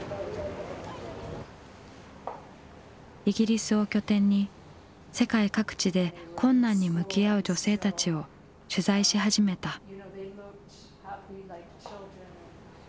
イギリスを拠点に世界各地で困難に向き合う女性たちを取材し始めた。